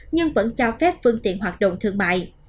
nhưng vẫn cho phép phương tiện thì sẽ được xác định